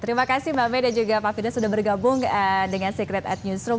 terima kasih mbak may dan juga pak firdas sudah bergabung dengan secret at newsroom